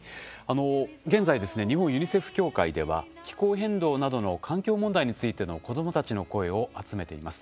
現在日本ユニセフ協会では気候変動などの環境問題についての子どもたちの声を集めています。